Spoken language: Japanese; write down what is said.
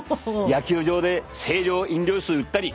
野球場で清涼飲料水売ったり。